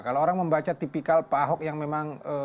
kalau orang membaca tipikal pak ahok yang memang